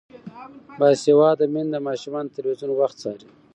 باسواده میندې د ماشومانو د تلویزیون وخت څاري.